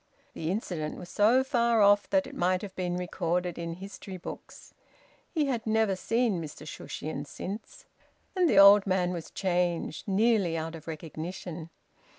The incident was so far off that it might have been recorded in history books. He had never seen Mr Shushions since. And the old man was changed, nearly out of recognition.